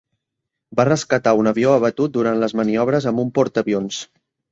Va rescatar un aviador abatut durant les maniobres amb un portaavions.